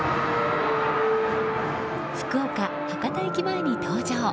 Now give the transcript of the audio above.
福岡・博多駅前に登場。